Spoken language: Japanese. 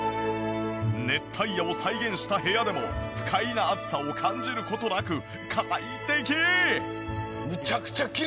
熱帯夜を再現した部屋でも不快な暑さを感じる事なく快適！